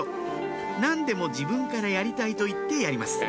何でも自分からやりたいと言ってやります